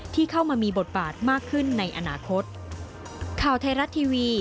ที่เข้ามามีบทบาทมากขึ้นในอนาคต